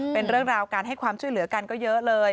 เป็นเรื่องราวการให้ความช่วยเหลือกันก็เยอะเลย